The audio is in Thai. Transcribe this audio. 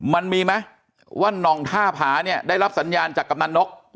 มันมีไหมว่าน่องท่าผาเนี่ยได้รับสัญญาณจากกำนันนก